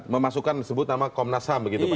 memasukkan disebut nama komnas ham begitu pak